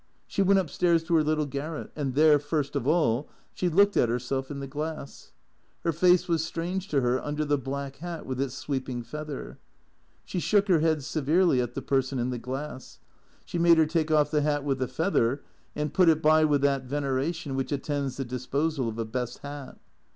She went up stairs to her little garret, and there, first of all, she looked at herself in the glass. Her face was strange to her under the black hat with its sweeping feather. She shook her head severely at the person in the glass. She made her take off the hat with the feather and put it by with that veneration which attends the disposal of a best hat.